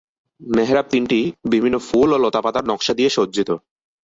মেহরাব তিনটি বিভিন্ন ফুল ও লতাপাতার নকশা দিয়ে সজ্জিত।